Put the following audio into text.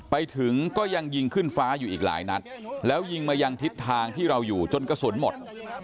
ไปถึงก็ยังยิงขึ้นฟ้าอยู่อีกหลายนัดแล้วยิงมายังทิศทางที่เราอยู่จนกระสุนหมด